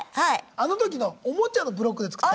あの時のおもちゃのブロックで作った。